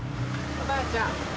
おばあちゃん。